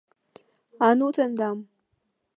— А ну тендам...